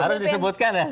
harus disebutkan ya